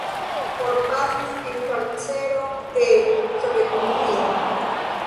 Forpasis en karcero de Sovetunio.